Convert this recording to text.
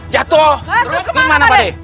jatuh terus kemana pade